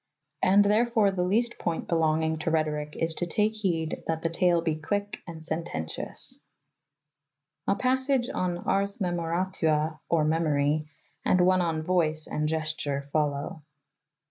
And therfor the lest poynt belongyng to Rethorike is to" take hede that the tale be quycke & sentencious. A passage on " Ars memoratiua, Or Memory " and one on voice and gesture follow.